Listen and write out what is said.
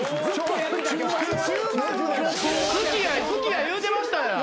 好きや言うてましたやん。